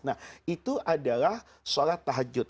nah itu adalah sholat tahajud